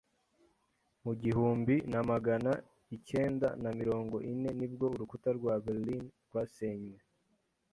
Mu gihumbi na magana icyenda na mirongo ine ni bwo Urukuta rwa Berlin rwasenywe.